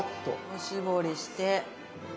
おしぼりして。